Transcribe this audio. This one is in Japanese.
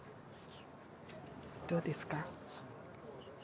どうですか？